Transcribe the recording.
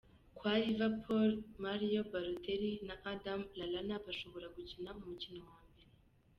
Kwa Liverpool, Mario Balotelli na Adam Lallana bashobora gukina umukino wa mbere.